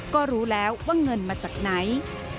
ก็รู้แล้วว่าเงินมาจากไหน